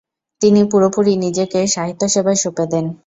তিনি পুরোপুরি নিজেকে সাহিত্যসেবায় সঁপে দেন।